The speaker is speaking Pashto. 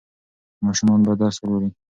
ماشومان باید درس ولولي.